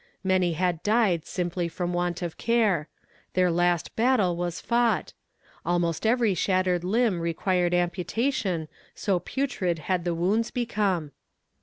Many had died simply from want of care. Their last battle was fought! Almost every shattered limb required amputation, so putrid had the wounds become.